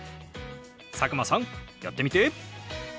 佐久間さんやってみて！